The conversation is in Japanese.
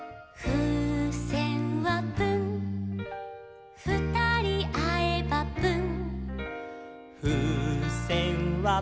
「ふうせんはプンまたあえばプン」